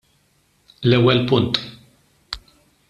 L-ewwel punt.